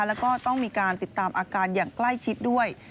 แล้วก็ต้องมีการติดตามอาการอย่างใกล้ชิดด้วย